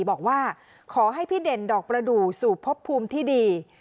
บอกว่าขอให้พี่เด่นดอกประดูกสู่พบภูมิที่ดี